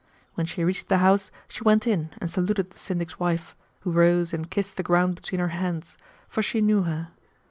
When she reached the house, she went in and saluted the Syndic's wife, who rose and kissed the ground between her hands, for she knew her.